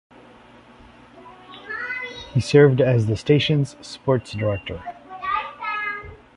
He served as the station's sports director.